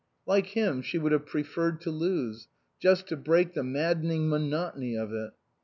Like him, she would have preferred to lose, just to break the maddening monotony of it.